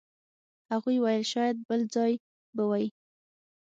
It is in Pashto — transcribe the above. هغوی ویل شاید بل ځای به وئ.